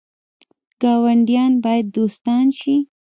ګاونډیان باید دوستان شي